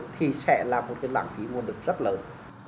thì sẽ là một lãng phí mua được rất lớn